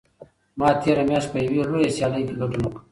ما تېره میاشت په یوې لویه سیالۍ کې ګډون وکړ.